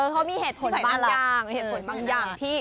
เค้ามีเหตุผลบางอย่าง